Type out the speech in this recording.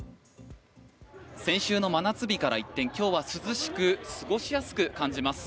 先週の真夏日から一転今日は涼しく過ごしやすく感じます。